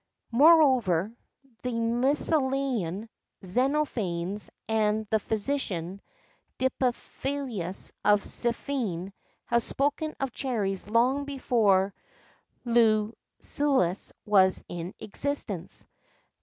Moreover, the Milesian, Xenophanes, and the physician, Diphilus of Siphne, have spoken of cherries long before Lucullus was in existence.